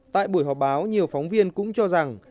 tại buổi họp báo nhiều phóng viên cũng cho rằng